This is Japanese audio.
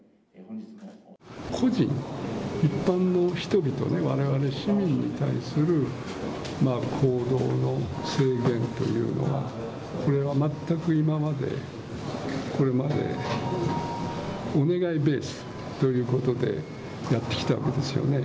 個人、一般の人々、われわれ市民に対する行動の制限というのは、これは全く今まで、これまでお願いベースということでやってきたわけですよね。